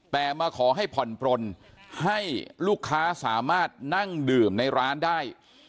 แต่มาขอให้ผ่อนปลนให้ลูกค้าสามารถนั่งดื่มในร้านได้